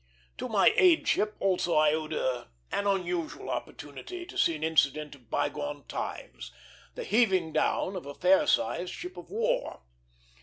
To my aideship also I owed an unusual opportunity to see an incident of bygone times the heaving down of a fair sized ship of war.